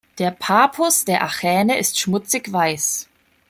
Der Pappus der Achäne ist schmutzigweiß.